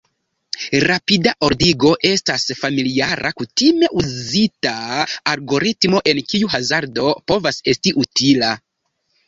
Rapida ordigo estas familiara, kutime uzita algoritmo en kiu hazardo povas esti utila.